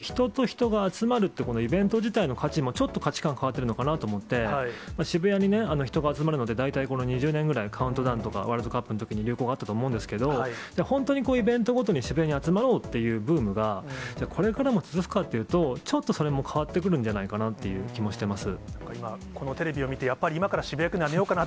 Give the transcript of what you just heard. そもそもコロナを経て、人と人とが集まるというイベント自体の価値も、ちょっと価値観変わってるのかなと思って、渋谷に人が集まるので、大体この２０年ぐらい、カウントダウンとか、ワールドカップのときに流行があったと思うんですけれども、本当にこういうイベントごとに、渋谷に集まろうっていうブームが、これからも続くかというと、ちょっとそれも変わってくるんじゃないかなっていう気もしてます。